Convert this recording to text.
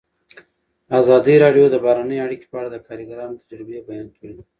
ازادي راډیو د بهرنۍ اړیکې په اړه د کارګرانو تجربې بیان کړي.